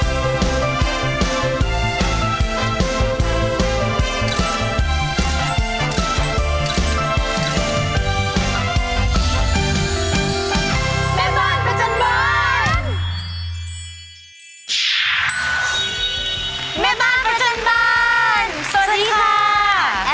สวัสดีค่ะแอฟฟั่งดิหลาค่ะ